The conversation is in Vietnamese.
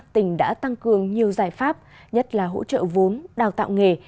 tỉnh đã tăng cường nhiều giải pháp nhất là hỗ trợ vốn đào tạo nghề